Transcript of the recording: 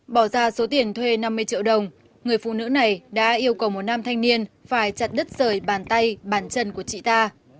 bỏ ra số tiền thuê năm mươi triệu đồng người phụ nữ này đã yêu cầu một nam thanh niên phải chặt đứt rời bàn tay bàn chân của chị ta